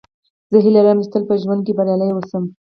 زه هیله لرم، چي تل په ژوند کښي بریالی اوسم.